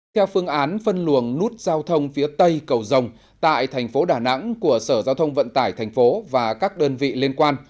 theo phương án phân luồng nút giao thông phía tây cầu rồng tại thành phố đà nẵng của sở giao thông vận tải thành phố và các đơn vị liên quan